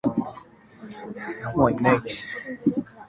看到敏感字